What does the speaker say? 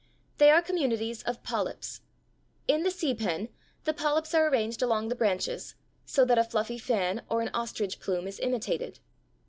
They are communities of polyps. In the sea pen the polyps are arranged along the branches so that a fluffy fan or an ostrich plume is imitated.